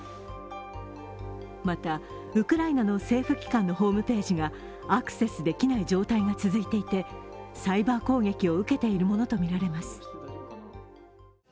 また、ウクライナの政府機関のホームページがアクセスできない状態が続いていて、サイバー攻撃を受けているものとみられます。